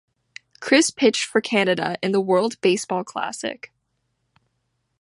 Chris pitched for Canada in the World Baseball Classic.